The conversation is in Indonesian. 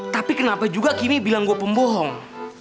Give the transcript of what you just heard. tapi kenapa juga kimi bilang gua pembohong